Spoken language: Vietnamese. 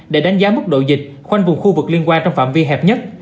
để đánh giá mức độ dịch khoanh vùng khu vực liên quan trong phạm vi hẹp nhất